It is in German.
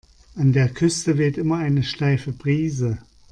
An der Küste weht immer eine steife Brise.